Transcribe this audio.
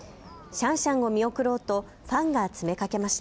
シャンシャンを見送ろうとファンが詰めかけました。